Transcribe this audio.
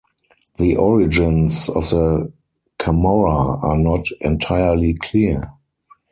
The origins of the Camorra are not entirely clear.